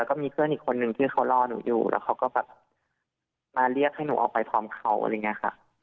แล้วก็มีเพื่อนอีกคนนึงที่เขารอหนูอยู่แล้วเขาก็แบบมาเรียกให้หนูออกไปพร้อมเขาอะไรอย่างนี้ค่ะ